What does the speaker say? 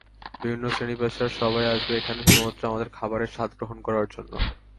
বিভিন্ন শ্রেণী-পেশার সবাই আসবে এখানে শুধুমাত্র আমাদের খাবারের স্বাদ গ্রহণ করার জন্য।